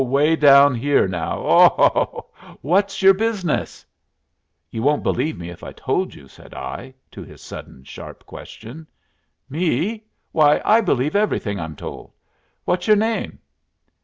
Away down here now. Oh, ho, ho! What's your business?" "You wouldn't believe if I told you," said I, to his sudden sharp question. "Me? Why, I believe everything I'm told. What's your name?"